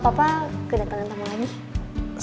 papa kedatangan tamu lagi